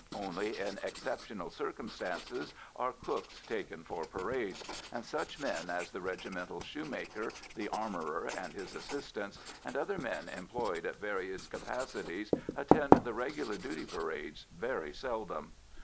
Only in exceptional circumstances are cooks taken for parades, and such men as the regimental shoemaker, the armourer and his assistants, and other men employed in various capacities, attend the regular duty parades very seldom.